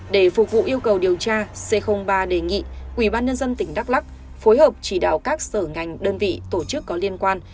để phục vụ yêu cầu điều tra c ba đề nghị quỹ ban nhân dân tỉnh đắk lắc phối hợp chỉ đạo các sở ngành đơn vị tổ chức có liên quan